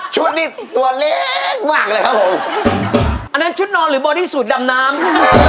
ชุดนี้ตัวเล็กมากเลยครับผมอันนั้นชุดนอนหรือบอดี้สูตรดำน้ำ